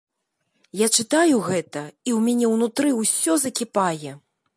Я чытаю гэта, і ў мяне ўнутры ўсё закіпае.